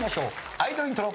アイドルイントロ。